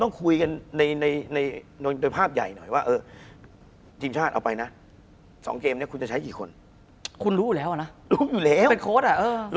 คุณผู้ชมบางท่าอาจจะไม่เข้าใจที่พิเตียร์สาร